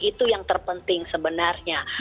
itu yang terpenting sebenarnya